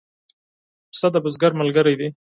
پسه د بزګر ملګری دی.